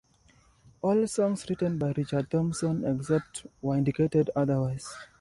All songs written by Richard Thompson except where indicated otherwise.